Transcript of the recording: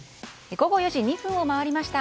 午後４時２分を回りました。